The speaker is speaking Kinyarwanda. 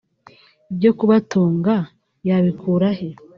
ibyo kubatunga yabikura he